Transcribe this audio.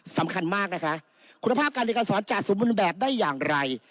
สำคัญมากนะคะคุณภาพการเรียนการสอนจะสมบูรณ์แบบได้อย่างไร